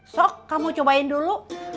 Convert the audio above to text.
sok kamu cobain dulu